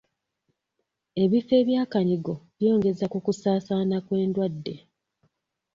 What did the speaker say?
Ebifo eby'akanyigo byongeza ku kusaasaana kw'endwadde.